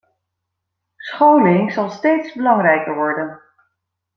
Scholing zal steeds belangrijker worden.